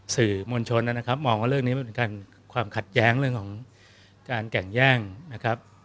สื่อมวลชนนะครับมองว่าเรื่องนี้มันเป็นการความขัดแย้งเรื่องของการแก่งแย่งนะครับ